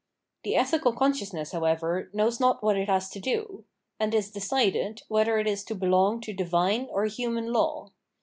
The ethical conscious ness, however, knows what it has to do ; and is decided, whether it is to belong to divine or human law.